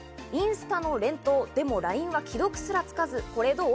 インスタの連投でもＬＩＮＥは既読すらつかず、これどう？